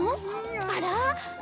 あら？